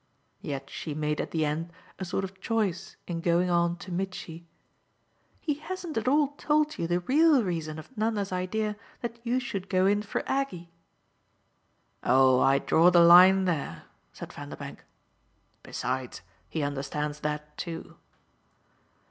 Yet she made at the end a sort of choice in going on to Mitchy: "He hasn't at all told you the real reason of Nanda's idea that you should go in for Aggie." "Oh I draw the line there," said Vanderbank. "Besides, he understands that too."